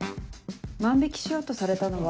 万引しようとされたのは。